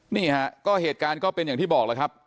นี่ฮะก็เหตุการณ์ก็เป็นอย่างที่บอกแล้วครับ